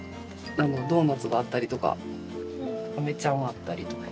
ドーナツがあったりとかあめちゃんがあったりとか。